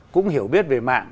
cũng hiểu biết về mạng